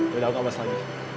yaudah aku gak bahas lagi